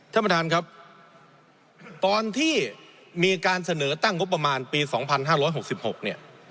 ท่านประธานครับตอนที่มีการเสนอตั้งงบประมาณปี๒๕๖๖เนี่ย